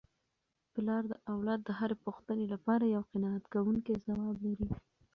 پلار د اولاد د هرې پوښتني لپاره یو قناعت کوونکی ځواب لري.